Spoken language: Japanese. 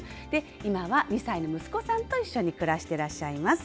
今は２歳の息子さんと一緒に暮らしてらっしゃいます。